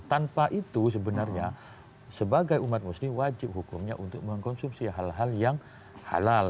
tanpa itu sebenarnya sebagai umat muslim wajib hukumnya untuk mengkonsumsi hal hal yang halal